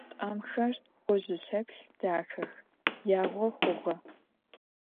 Тӏамхэр гъожьы-шэплъ дахэх, ягъо хъугъэ.